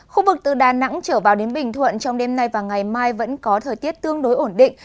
khu vực từ đà nẵng trở vào đến bình thuận trong đêm nay và ngày mai vẫn có thời tiết tương đối ổn định